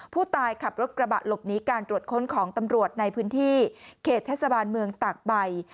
ผู้ตายขับรถกระบะหลบหนีการตรวจค้นของตำรวจในพื้นที่เขตเทศบาลเมืองตากใบ